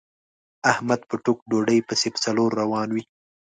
احمد په ټوک ډوډۍ پسې په څلور روان وي.